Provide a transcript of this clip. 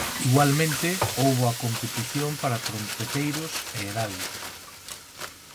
Igualmente houbo a competición para trompeteiros e heraldos.